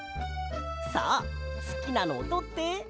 さあすきなのをとって。